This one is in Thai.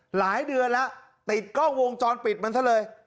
หลายเดือนแล้วติดกล้องวงจรปิดมันซะเลย